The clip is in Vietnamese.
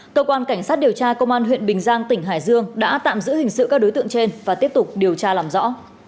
cơ quan cảnh sát điều tra công an huyện bình giang tỉnh hải dương đã tạm giữ hình sự các đối tượng trên và tiếp tục điều tra làm rõ